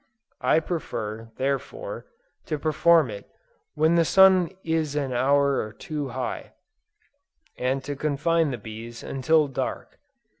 I prefer, therefore, to perform it, when the sun is an hour or two high, and to confine the bees until dark.